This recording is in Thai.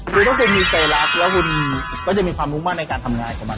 คือถ้าคุณมีใจรักแล้วคุณก็จะมีความมุ่งมั่นในการทำงานของมัน